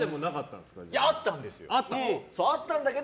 あったんですよ。